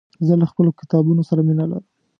زه له خپلو کتابونو سره مينه لرم.